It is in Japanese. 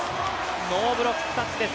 ノーブロックタッチです。